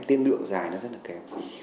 tiên lượng dài nó rất là kém